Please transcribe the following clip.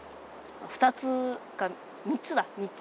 ２つか３つだ３つ。